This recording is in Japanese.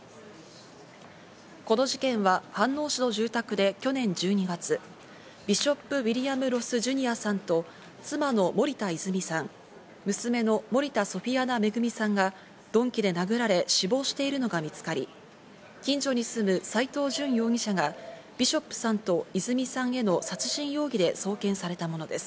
この事件は、飯能市の住宅で去年１２月、ビショップ・ウィリアム・ロス・ジュニアさんと妻の森田泉さん、娘の森田ソフィアナ恵さんが鈍器で殴られ死亡しているのが見つかり、近所に住む斎藤淳容疑者がビショップさんと泉さんへの殺人容疑で送検されたものです。